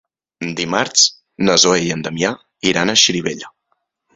Dimarts na Zoè i en Damià iran a Xirivella.